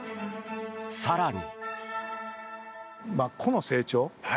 更に。